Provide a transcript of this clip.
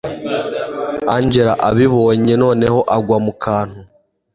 angella abibonye noneho agwa mukantu